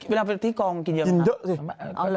เวลาไปที่กองกินเยอะมาก